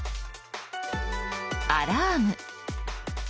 アラーム。